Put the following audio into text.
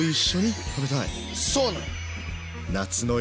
そうなの。